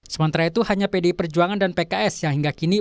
sementara itu hanya pdi perjuangan dan pks yang hingga kini